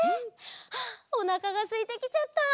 あおなかがすいてきちゃった。